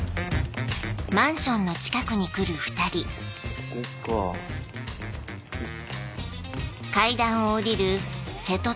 ここかおっ！